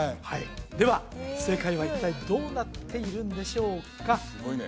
はいでは正解は一体どうなっているんでしょうか？